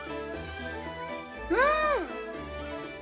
うん！